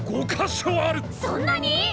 そんなに！？